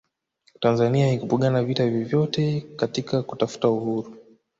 tanzania haikupigana vita yoyote katika kutafuta uhuru